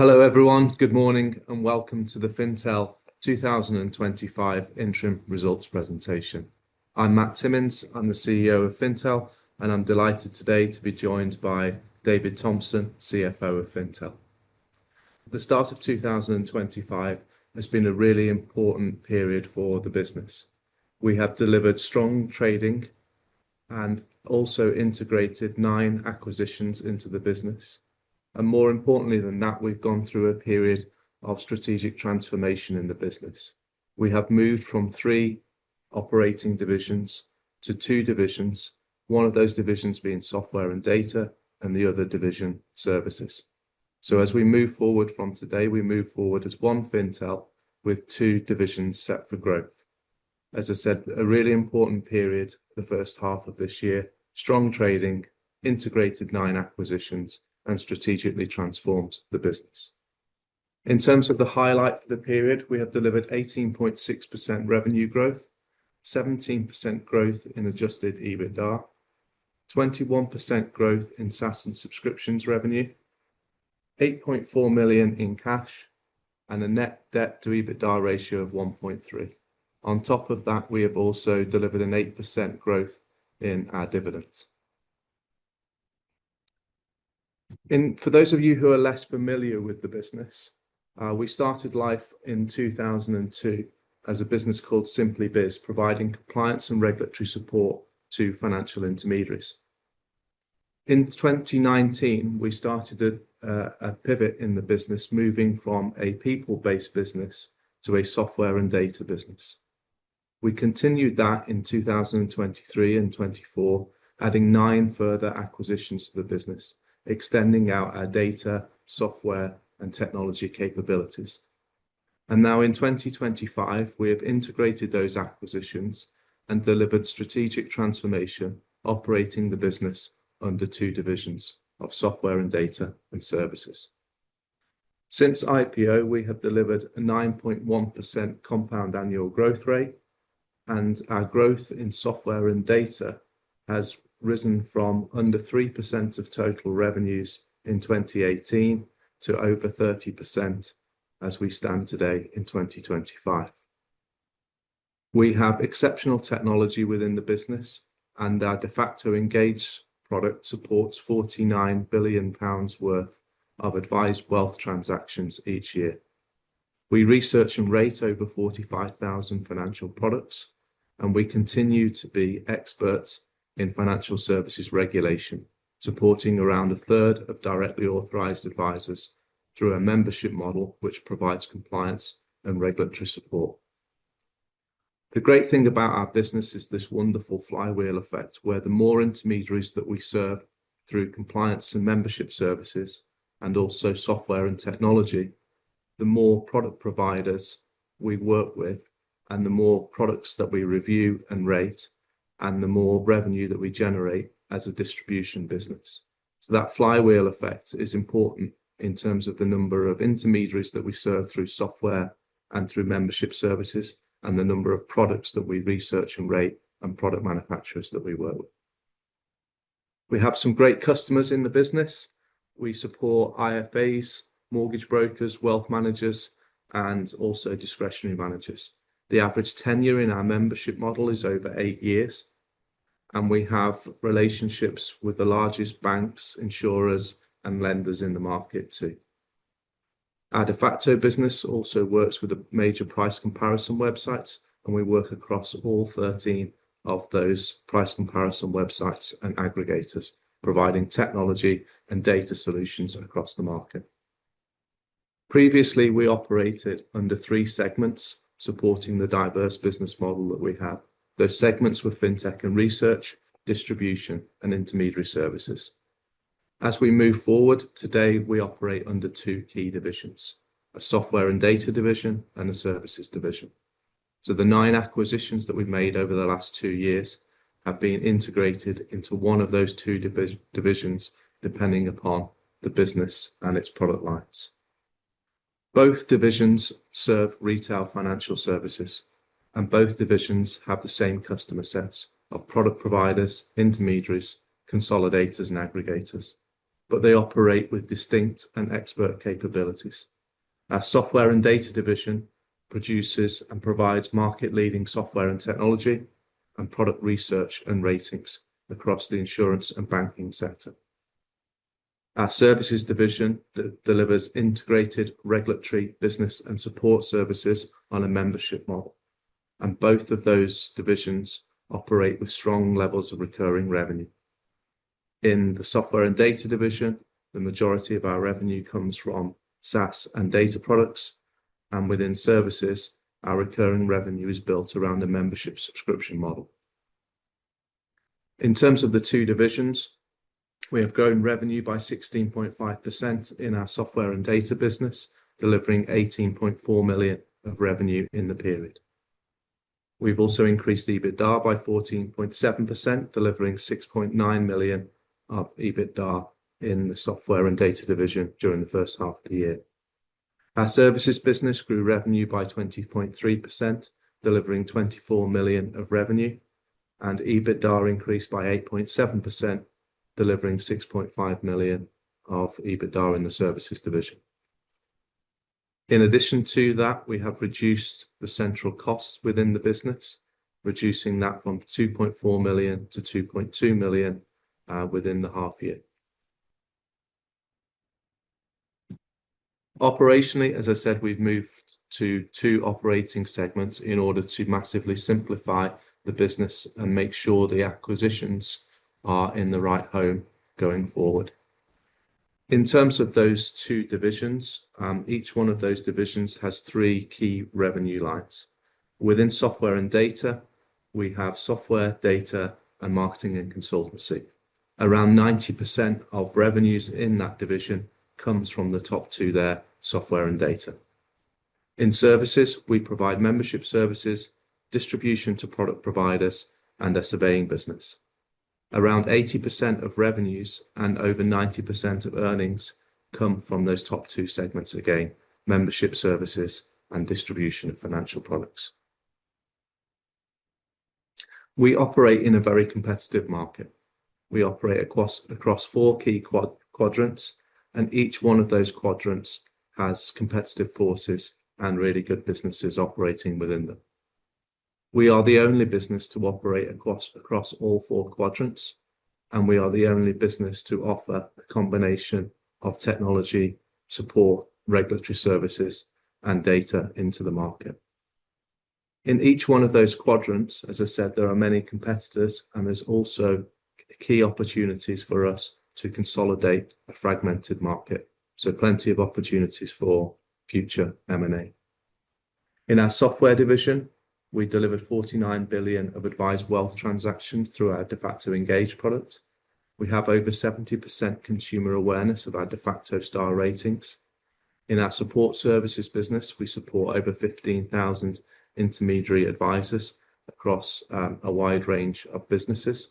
Hello everyone, good morning, and welcome to the Fintel 2025 Interim Results Presentation. I'm Matt Timmins, I'm the CEO of Fintel, and I'm delighted today to be joined by David Thompson, CFO of Fintel. The start of 2025 has been a really important period for the business. We have delivered strong trading and also integrated nine acquisitions into the business, and more importantly than that, we've gone through a period of strategic transformation in the business. We have moved from three operating divisions to two divisions, one of those divisions being Software and Data, and the other division services, so as we move forward from today, we move forward as one Fintel with two divisions set for growth. As I said, a really important period, the first half of this year, strong trading, integrated nine acquisitions, and strategically transformed the business. In terms of the highlight for the period, we have delivered 18.6% revenue growth, 17% growth in Adjusted EBITDA, 21% growth in SaaS and subscriptions revenue, 8.4 million in cash, and a net debt to EBITDA ratio of 1.3. On top of that, we have also delivered an 8% growth in our dividends. For those of you who are less familiar with the business, we started life in 2002 as a business called SimplyBiz, providing compliance and regulatory support to financial intermediaries. In 2019, we started a pivot in the business, moving from a people-based business to a Software and Data business. We continued that in 2023 and 2024, adding nine further acquisitions to the business, extending out our data, software, and technology capabilities, and now in 2025, we have integrated those acquisitions and delivered strategic transformation, operating the business under two divisions of Software and Data and Services. Since IPO, we have delivered a 9.1% compound annual growth rate, and our growth in Software and Data has risen from under 3% of total revenues in 2018 to over 30% as we stand today in 2025. We have exceptional technology within the business, and our Defaqto Engage product supports 49 billion pounds worth of advised wealth transactions each year. We research and rate over 45,000 financial products, and we continue to be experts in financial services regulation, supporting around a third of directly authorized advisors through a membership model which provides compliance and regulatory support. The great thing about our business is this wonderful flywheel effect, where the more intermediaries that we serve through compliance and membership services, and also software and technology, the more product providers we work with, and the more products that we review and rate, and the more revenue that we generate as a distribution business. So that flywheel effect is important in terms of the number of intermediaries that we serve through software and through membership services, and the number of products that we research and rate, and product manufacturers that we work with. We have some great customers in the business. We support IFAs, mortgage brokers, wealth managers, and also discretionary managers. The average tenure in our membership model is over eight years, and we have relationships with the largest banks, insurers, and lenders in the market, too. Our Defaqto business also works with the major price comparison websites, and we work across all 13 of those price comparison websites and aggregators, providing technology and data solutions across the market. Previously, we operated under three segments supporting the diverse business model that we have. Those segments were Fintech and Research, Distribution, and Intermediary Services. As we move forward, today we operate under two key divisions: a Software and Data division and a Services division. So the nine acquisitions that we've made over the last two years have been integrated into one of those two divisions, depending upon the business and its product lines. Both divisions serve retail financial services, and both divisions have the same customer sets of product providers, intermediaries, consolidators, and aggregators, but they operate with distinct and expert capabilities. Our Software and Data division produces and provides market-leading software and technology and product research and ratings across the insurance and banking sector. Our Services division delivers integrated regulatory business and support services on a membership model, and both of those divisions operate with strong levels of recurring revenue. In the Software and Data division, the majority of our revenue comes from SaaS and data products, and within services, our recurring revenue is built around a membership subscription model. In terms of the two divisions, we have grown revenue by 16.5% in our Software and Data business, delivering 18.4 million of revenue in the period. We've also increased EBITDA by 14.7%, delivering 6.9 million of EBITDA in the Software and Data division during the first half of the year. Our services business grew revenue by 20.3%, delivering 24 million of revenue, and EBITDA increased by 8.7%, delivering 6.5 million of EBITDA in the services division. In addition to that, we have reduced the central costs within the business, reducing that from 2.4 million-2.2 million within the half year. Operationally, as I said, we've moved to two operating segments in order to massively simplify the business and make sure the acquisitions are in the right home going forward. In terms of those two divisions, each one of those divisions has three key revenue lines. Within Software and Data, we have software, data, and marketing, and consultancy. Around 90% of revenues in that division comes from the top two there, Software and Data. In services, we provide membership services, distribution to product providers, and a surveying business. Around 80% of revenues and over 90% of earnings come from those top two segments again, membership services and distribution of financial products. We operate in a very competitive market. We operate across four key quadrants, and each one of those quadrants has competitive forces and really good businesses operating within them. We are the only business to operate across all four quadrants, and we are the only business to offer a combination of technology, support, regulatory services, and data into the market. In each one of those quadrants, as I said, there are many competitors, and there's also key opportunities for us to consolidate a fragmented market. So plenty of opportunities for future M&A. In our software division, we delivered 49 billion of advised wealth transactions through our Defaqto Engage product. We have over 70% consumer awareness of our Defaqto Star Ratings. In our support services business, we support over 15,000 intermediary advisors across a wide range of businesses,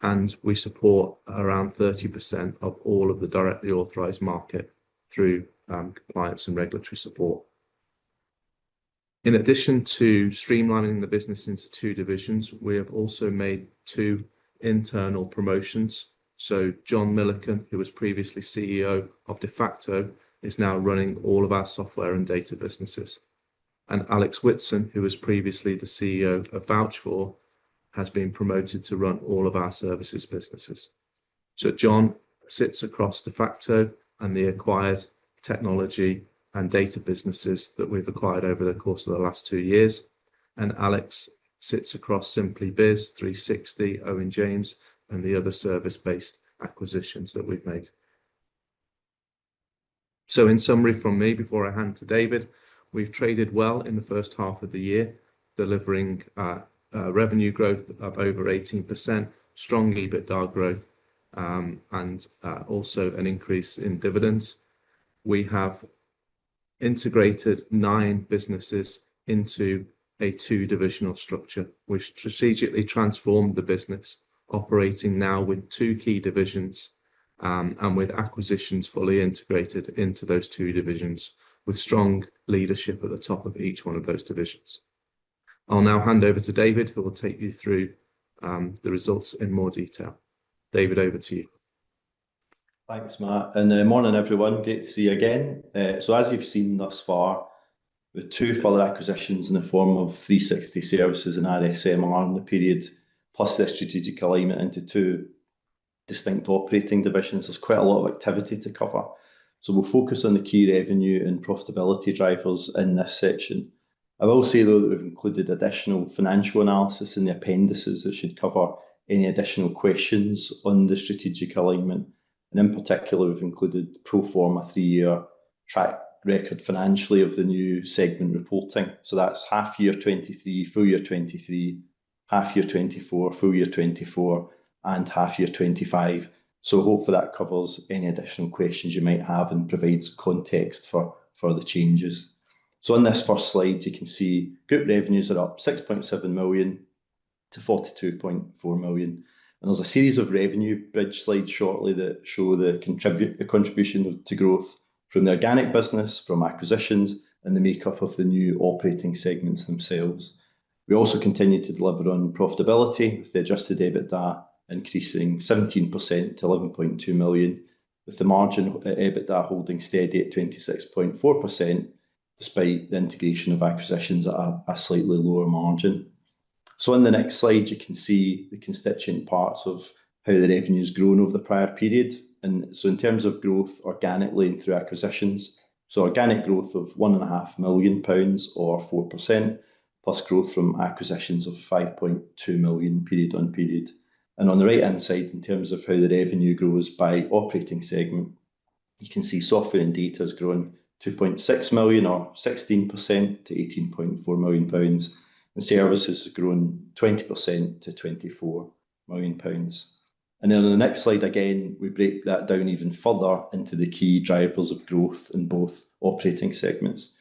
and we support around 30% of all of the directly authorized market through compliance and regulatory support. In addition to streamlining the business into two divisions, we have also made two internal promotions. So John Milliken, who was previously CEO of Defaqto, is now running all of our Software and Data businesses. And Alex Whitson, who was previously the CEO of VouchedFor, has been promoted to run all of our services businesses. So John sits across Defaqto and the acquired technology and data businesses that we've acquired over the course of the last two years, and Alex sits across SimplyBiz, Threesixty, Owen James, and the other service-based acquisitions that we've made. So in summary from me before I hand to David, we've traded well in the first half of the year, delivering revenue growth of over 18%, strong EBITDA growth, and also an increase in dividends. We have integrated nine businesses into a two-divisional structure, which strategically transformed the business, operating now with two key divisions and with acquisitions fully integrated into those two divisions, with strong leadership at the top of each one of those divisions. I'll now hand over to David, who will take you through the results in more detail. David, over to you. Thanks, Matt. And good morning, everyone. Great to see you again. So as you've seen thus far, we've had two further acquisitions in the form of Threesixty Services and RSMR in the period, plus the strategic alignment into two distinct operating divisions. There's quite a lot of activity to cover. So we'll focus on the key revenue and profitability drivers in this section. I will say, though, that we've included additional financial analysis in the appendices that should cover any additional questions on the strategic alignment. And in particular, we've included pro-forma three-year track record financially of the new segment reporting. So that's half year 2023, full year 2023, half year 2024, full year 2024, and half year 2025. So hopefully that covers any additional questions you might have and provides context for the changes. On this first slide, you can see group revenues are up 6.7 million-42.4 million. And there's a series of revenue bridge slides shortly that show the contribution to growth from the organic business, from acquisitions, and the makeup of the new operating segments themselves. We also continue to deliver on profitability with the Adjusted EBITDA increasing 17% to 11.2 million, with the margin EBITDA holding steady at 26.4% despite the integration of acquisitions at a slightly lower margin. On the next slide, you can see the constituent parts of how the revenue has grown over the prior period. And so in terms of growth organically and through acquisitions, so organic growth of 1.5 million pounds or 4%, plus growth from acquisitions of 5.2 million period-on-period. On the right-hand side, in terms of how the revenue grows by operating segment, you can see Software and Data has grown 2.6 million or 16% to 18.4 million pounds, and services has grown 20% to 24 million pounds. Then on the next slide again, we break that down even further into the key drivers of growth in both operating segments.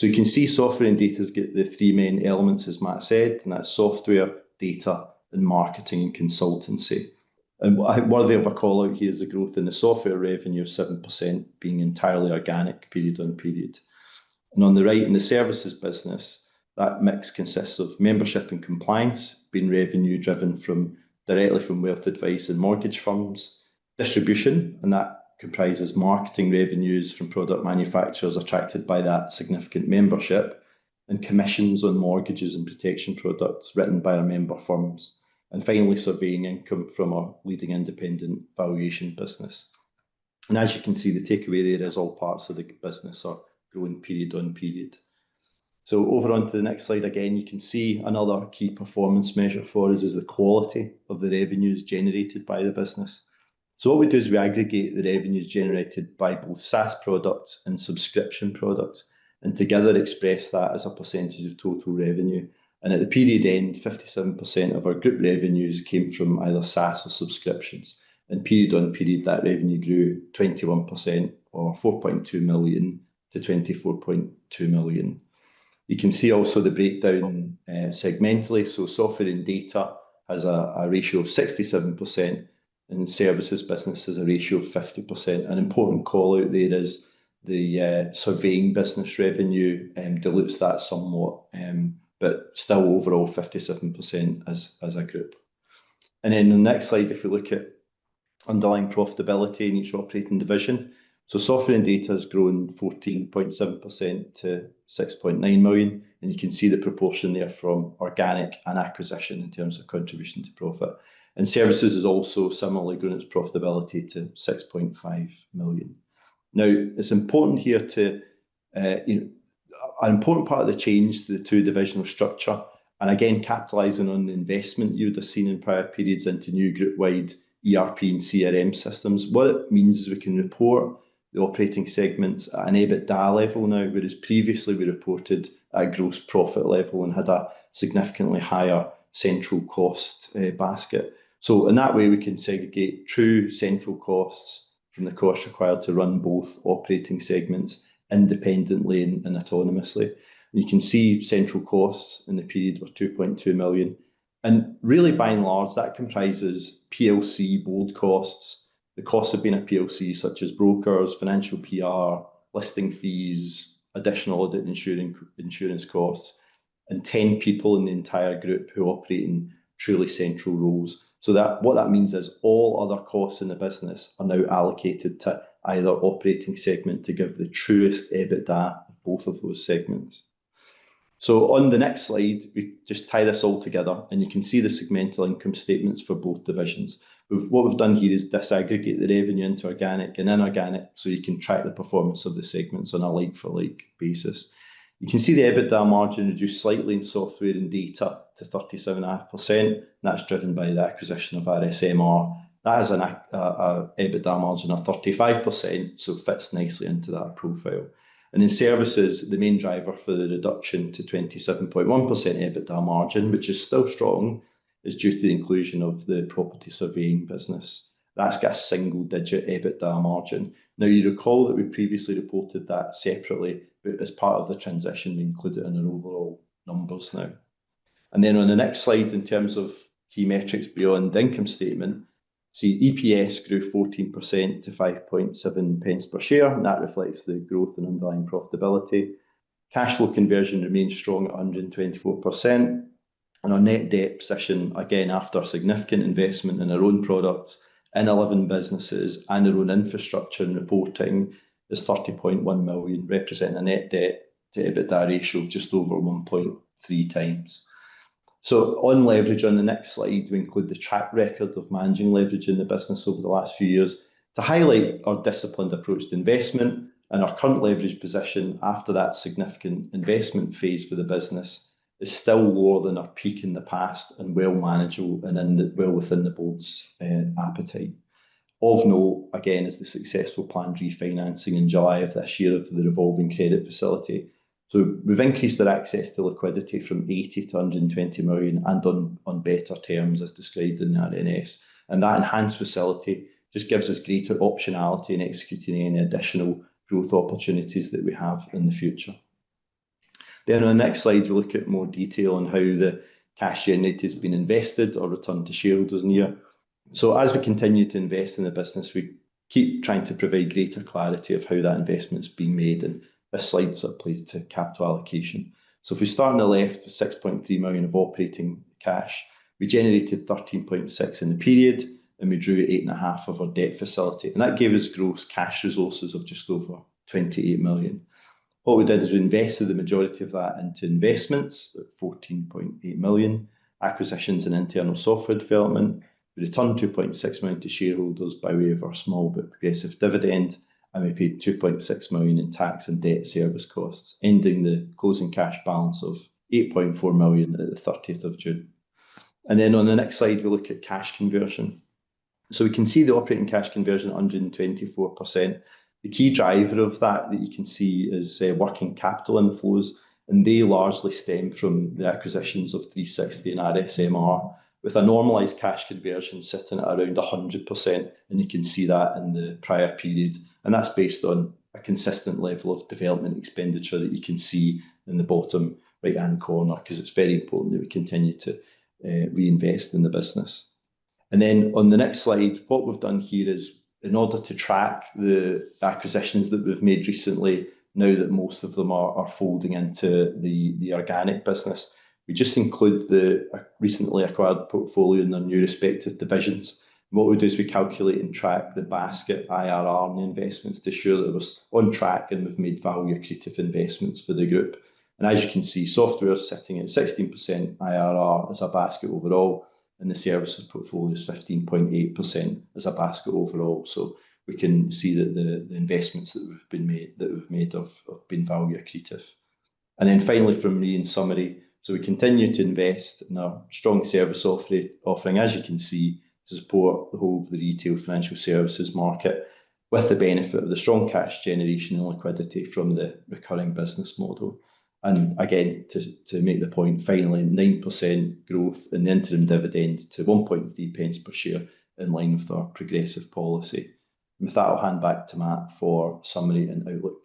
You can see Software and Data get the three main elements, as Matt said, and that's software, data, and marketing and consultancy. What I wanted to call out here is the growth in the software revenue of 7% being entirely organic period-on-period. And on the right in the services business, that mix consists of membership and compliance being revenue-driven directly from wealth advice and mortgage firms, distribution, and that comprises marketing revenues from product manufacturers attracted by that significant membership, and commissions on mortgages and protection products written by our member firms, and finally surveying income from our leading independent valuation business. And as you can see, the takeaway there is all parts of the business are growing, period-on-period. So over on to the next slide again, you can see another key performance measure for us is the quality of the revenues generated by the business. So what we do is we aggregate the revenues generated by both SaaS products and subscription products and together express that as a percentage of total revenue. And at the period end, 57% of our group revenues came from either SaaS or subscriptions. And period-on-period, that revenue grew 21% or 4.2 million-24.2 million. You can see also the breakdown segmentally. So Software and Data has a ratio of 67%, and Services business has a ratio of 50%. An important call out there is the surveying business revenue dilutes that somewhat, but still overall 57% as a group. And then the next slide, if we look at underlying profitability in each operating division. So Software and Data has grown 14.7% to 6.9 million, and you can see the proportion there from organic and acquisition in terms of contribution to profit. And Services has also similarly grown its profitability to 6.5 million. Now, it's important here to, an important part of the change to the two-divisional structure, and again, capitalizing on the investment you would have seen in prior periods into new group-wide ERP and CRM systems. What it means is we can report the operating segments at an EBITDA level now, whereas previously we reported at a gross profit level and had a significantly higher central cost basket, so in that way, we can segregate true central costs from the cost required to run both operating segments independently and autonomously. You can see central costs in the period were 2.2 million, and really, by and large, that comprises PLC board costs, the costs of being a PLC, such as brokers, financial PR, listing fees, additional audit and insurance costs, and 10 people in the entire group who are operating truly central roles, so what that means is all other costs in the business are now allocated to either operating segment to give the truest EBITDA of both of those segments. So on the next slide, we just tie this all together, and you can see the segmental income statements for both divisions. What we've done here is disaggregate the revenue into organic and inorganic so you can track the performance of the segments on a like-for-like basis. You can see the EBITDA margin reduced slightly in Software and Data to 37.5%, and that's driven by the acquisition of RSMR. That has an EBITDA margin of 35%, so it fits nicely into that profile. And in services, the main driver for the reduction to 27.1% EBITDA margin, which is still strong, is due to the inclusion of the property surveying business. That's got a single-digit EBITDA margin. Now, you recall that we previously reported that separately, but as part of the transition, we include it in our overall numbers now. And then on the next slide, in terms of key metrics beyond the income statement, see EPS grew 14% to 0.057 per share, and that reflects the growth in underlying profitability. Cash flow conversion remains strong at 124%, and our net debt position, again, after significant investment in our own products, in 11 businesses, and our own infrastructure and reporting, is 30.1 million, representing a net debt-to-EBITDA ratio just over 1.3x. So on leverage, on the next slide, we include the track record of managing leverage in the business over the last few years to highlight our disciplined approach to investment, and our current leverage position after that significant investment phase for the business is still lower than our peak in the past, and well manageable and well within the board's appetite. Of note, again, is the successful planned refinancing in July of this year of the revolving credit facility, so we've increased our access to liquidity from 80 million-120 million and on better terms, as described in the RNS. And that enhanced facility just gives us greater optionality in executing any additional growth opportunities that we have in the future, then on the next slide, we'll look at more detail on how the cash generated has been invested or returned to shareholders in a year. So as we continue to invest in the business, we keep trying to provide greater clarity of how that investment's been made and the slides that plays to capital allocation, so if we start on the left with 6.3 million of operating cash, we generated 13.6 million in the period, and we drew 8.5 million of our debt facility. That gave us gross cash resources of just over 28 million. What we did is we invested the majority of that into investments, 14.8 million, acquisitions, and internal software development. We returned 2.6 million to shareholders by way of our small but progressive dividend, and we paid 2.6 million in tax and debt service costs, ending the closing cash balance of 8.4 million at the 30th of June. And then on the next slide, we'll look at cash conversion. So we can see the operating cash conversion at 124%. The key driver of that that you can see is working capital inflows, and they largely stem from the acquisitions of Threesixty and RSMR, with a normalized cash conversion sitting at around 100%, and you can see that in the prior period. And that's based on a consistent level of development expenditure that you can see in the bottom right-hand corner, because it's very important that we continue to reinvest in the business. And then on the next slide, what we've done here is, in order to track the acquisitions that we've made recently, now that most of them are folding into the organic business, we just include the recently acquired portfolio in their new respective divisions. And what we do is we calculate and track the basket IRR and the investments to show that we're on track and we've made value-accretive investments for the group. And as you can see, software is sitting at 16% IRR as a basket overall, and the services portfolio is 15.8% as a basket overall. So we can see that the investments that have been made have been value-accretive. And then finally, from me in summary, so we continue to invest in our strong service offering, as you can see, to support the whole of the retail financial services market, with the benefit of the strong cash generation and liquidity from the recurring business model. And again, to make the point, finally, 9% growth in the interim dividend to 0.013 per share, in line with our progressive policy. And with that, I'll hand back to Matt for summary and outlook.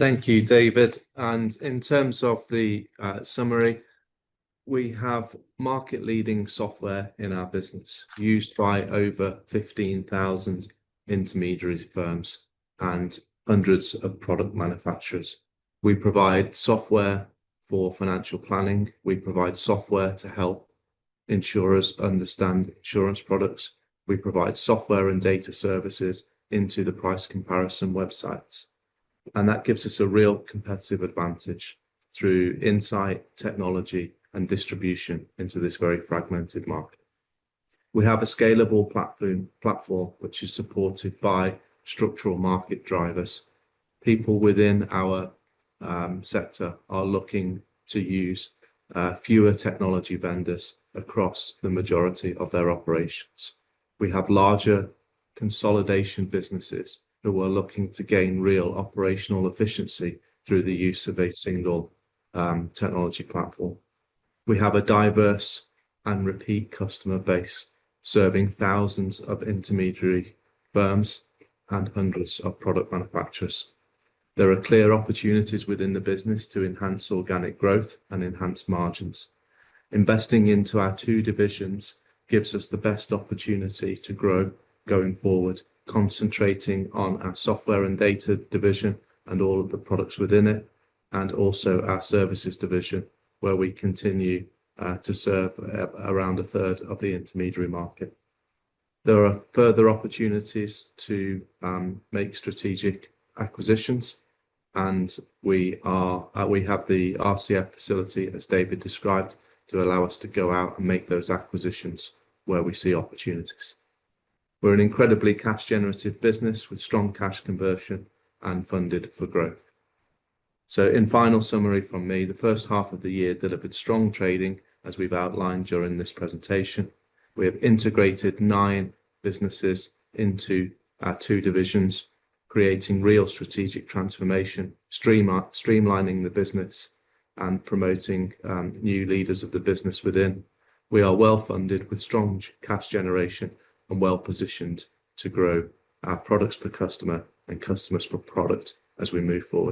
Thank you, David. And in terms of the summary, we have market-leading software in our business used by over 15,000 intermediary firms and hundreds of product manufacturers. We provide software for financial planning. We provide software to help insurers understand insurance products. We provide Software and Data services into the price comparison websites. And that gives us a real competitive advantage through insight, technology, and distribution into this very fragmented market. We have a scalable platform, which is supported by structural market drivers. People within our sector are looking to use fewer technology vendors across the majority of their operations. We have larger consolidation businesses who are looking to gain real operational efficiency through the use of a single technology platform. We have a diverse and repeat customer base serving thousands of intermediary firms and hundreds of product manufacturers. There are clear opportunities within the business to enhance organic growth and enhance margins. Investing into our two divisions gives us the best opportunity to grow going forward, concentrating on our Software and Data division and all of the products within it, and also our services division, where we continue to serve around a third of the intermediary market. There are further opportunities to make strategic acquisitions, and we have the RCF facility, as David described, to allow us to go out and make those acquisitions where we see opportunities. We're an incredibly cash-generative business with strong cash conversion and funded for growth. So in final summary from me, the first half of the year delivered strong trading, as we've outlined during this presentation. We have integrated nine businesses into our two divisions, creating real strategic transformation, streamlining the business, and promoting new leaders of the business within. We are well funded with strong cash generation and well positioned to grow our products per customer and customers per product as we move forward.